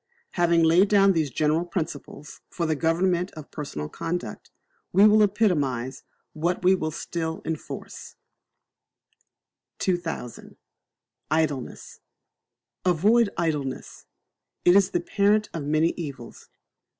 Having laid down these General Principles for the government of personal conduct, we will epitomize what we would still enforce: 2000. Idleness. Avoid Idleness. It is the parent of many evils.